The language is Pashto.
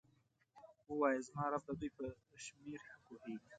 ووایه زما رب د دوی په شمیر ښه پوهیږي.